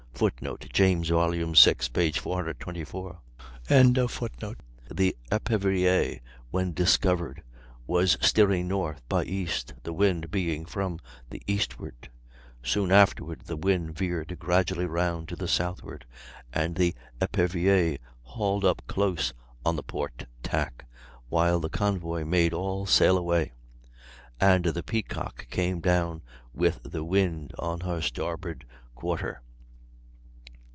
[Footnote: James, vi, 424.] The Epervier when discovered was steering north by east, the wind being from the eastward; soon afterward the wind veered gradually round to the southward, and the Epervier hauled up close on the port tack, while the convoy made all sail away, and the Peacock came down with the wind on her starboard quarter.